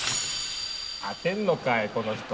当てんのかいこの人。